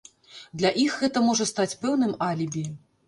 Для іх гэта можа стаць пэўным алібі.